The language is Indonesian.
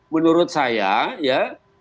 menurut saya ya